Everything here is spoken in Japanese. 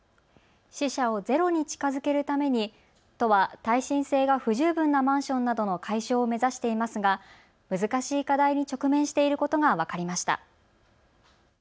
死者をゼロに近づけるために都は耐震性が不十分なマンションなどの解消を目指していますが難しい課題に直面していることが分かりました。